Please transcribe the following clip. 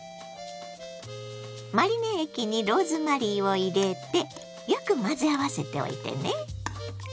マリネ液にローズマリーを入れてよく混ぜ合わせておいてね。